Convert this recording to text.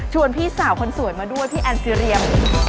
พี่สาวคนสวยมาด้วยพี่แอนซีเรียม